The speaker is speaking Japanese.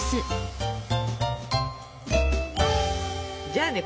じゃあね